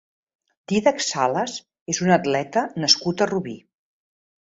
Dídac Salas és un atleta nascut a Rubí.